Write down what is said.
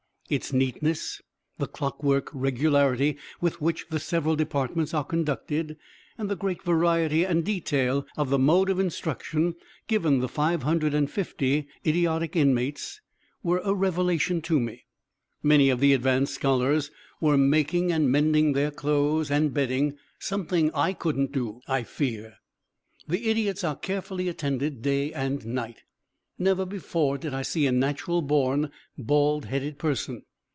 Its neatness, the clock work regularity with which the several departments are conducted, and the great variety and detail of the mode of instruction given the 550 idiotic inmates were a revelation to me. Many of the advanced scholars were making and mending their clothes and bedding; something I couldn't do, I fear. The idiots are carefully attended day and night. Never before did I see a natural born bald headed person.